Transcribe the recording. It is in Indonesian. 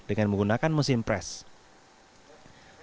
dengan menggunakan mesin press